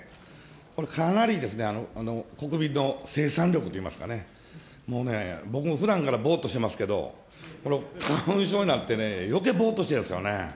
これ、かなり、国民の生産力といいますかね、もうね、僕もふだんからぼーっとしてますけれども、この花粉症になってね、よけいぼーっとしてるんですよね。